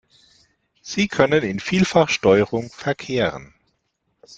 Sie können in Vielfachsteuerung verkehren.